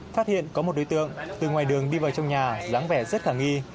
phát hiện có một đối tượng từ ngoài đường đi vào trong nhà lắng vẻ rất khả nghi